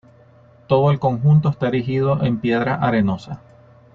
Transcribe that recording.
Todo el conjunto está erigido en piedra arenosa.